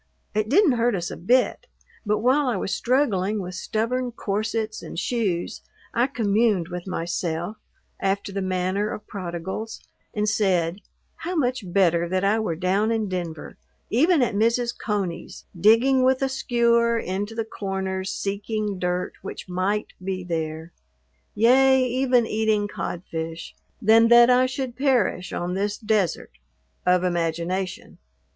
It didn't hurt us a bit, but while I was struggling with stubborn corsets and shoes I communed with myself, after the manner of prodigals, and said: "How much better that I were down in Denver, even at Mrs. Coney's, digging with a skewer into the corners seeking dirt which might be there, yea, even eating codfish, than that I should perish on this desert of imagination."